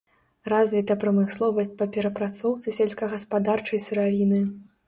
Развіта прамысловасць па перапрацоўцы сельскагаспадарчай сыравіны.